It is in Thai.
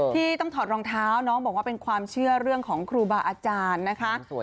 ที่ต้องถอดรองเท้าน้องบอกว่าเป็นความเชื่อเรื่องของครูบาอาจารย์นะคะ